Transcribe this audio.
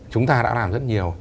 chúng ta đã làm rất nhiều